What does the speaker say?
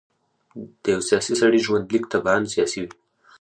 د یوه سیاسي سړي ژوندلیک طبعاً سیاسي وي.